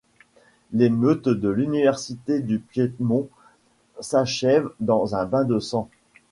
L'émeute de l'Université du Piémont s'achève dans un bain de sang.